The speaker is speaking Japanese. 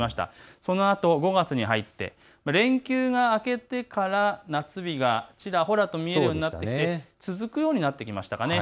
そのあと５月に入って連休が明けてから夏日が、ちらほらと見えるようになって続くようになってきましたかね。